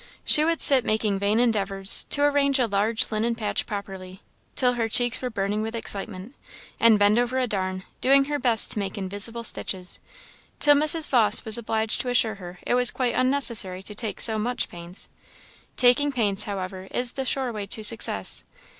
She would sit making vain endeavours to arrange a large linen patch properly, till her cheeks were burning with excitement; and bend over a darn, doing her best to make invisible stitches, till Mrs. Vawse was obliged to assure her it was quite unnecessary to take so much pains. Taking pains, however, is the sure way to success.